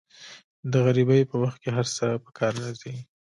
د غریبۍ په وخت کې هر څه په کار راځي.